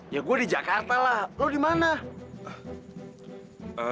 ya gue di jakarta lah lo dimana